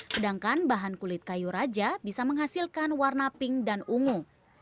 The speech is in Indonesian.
sedangkan bahan kulit kayu raja bisa menghasilkan warna pink dan ungu